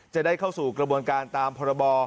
จะได้เข้าสู่กระบวนการตามพรบ